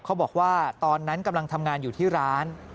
เขาบอกว่าตอนนั้นกำลังทำงานอยู่ที่ร้าน